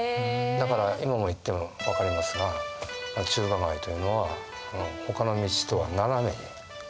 だから今も行っても分かりますが中華街というのは他の道とは斜めに交差してます。